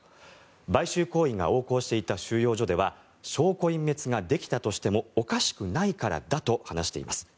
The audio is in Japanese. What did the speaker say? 買収行為が横行していた収容所では証拠隠滅ができたとしてもおかしくないからだと話しています。